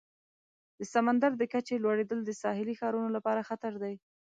د سمندر د کچې لوړیدل د ساحلي ښارونو لپاره خطر دی.